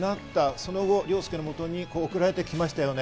その後、凌介のもとに送られてきましたよね。